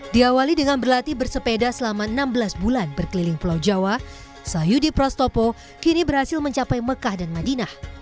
diawali dengan berlatih bersepeda selama enam belas bulan berkeliling pulau jawa sahyudi prastopo kini berhasil mencapai mekah dan madinah